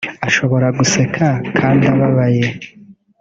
Ashobora guseka kandi ababaye